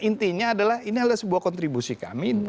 intinya adalah ini adalah sebuah kontribusi kami